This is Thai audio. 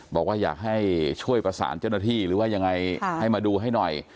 บอกว่าอยากให้ช่วยประสานเจ้าหน้าที่หรือว่ายังไงให้มาดูให้หน่อย